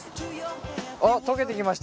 あっ溶けてきました。